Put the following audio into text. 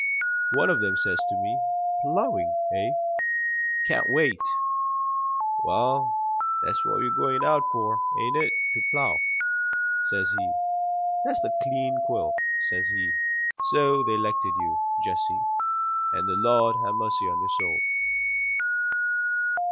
One of them says to me, 'Plowing, hey? Can't wait? Well, that's what we're going out for, ain't it to plow?' says he. 'That's the clean quill,' says he. So they 'lected you, Jesse. And the Lord ha' mercy on your soul!"